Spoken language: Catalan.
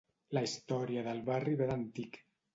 La història del barri ve d'antic.